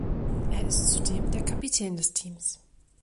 Er ist zudem Kapitän des Teams.